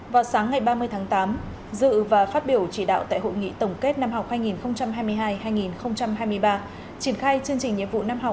vào sáng ngày ba mươi tháng tám dự và phát biểu chỉ đạo tại hội nghị tổng kết năm học hai nghìn hai mươi hai hai nghìn hai mươi ba